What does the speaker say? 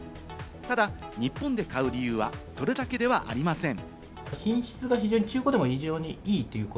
ただ日本で買う理由はそれだけではありません。